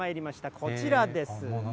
こちらです。